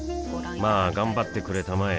まあ頑張ってくれたまえ